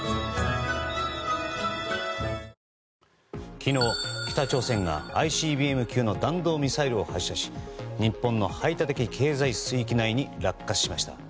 昨日、北朝鮮がＩＣＢＭ級の弾道ミサイルを発射し日本の排他的経済水域内に落下しました。